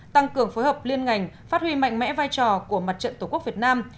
tăng cường phối hợp liên ngành phát huy mạnh mẽ vai trò của mặt trận tổ quốc việt nam